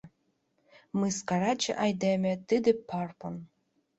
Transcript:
Мыскараче айдеме — тиде Парпон!